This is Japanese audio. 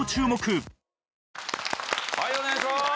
はいお願いします！